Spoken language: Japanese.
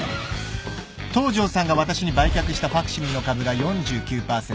東城さんが私に売却したファクシミリの株が４９％。